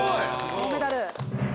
「銅メダル」